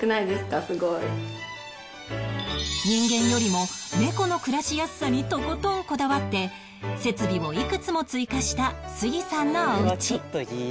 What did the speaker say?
人間よりも猫の暮らしやすさにとことんこだわって設備をいくつも追加した杉さんのお家